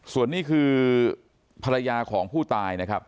ส่วนนี้คือภรรยาของผู้ตายนะครับ